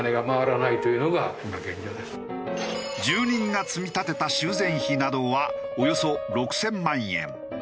住人が積み立てた修繕費などはおよそ６０００万円。